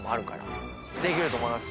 できると思います。